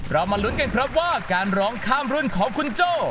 เรามาลุ้นกันเพราะว่าการร้องคามรุ่นของคุณโจ้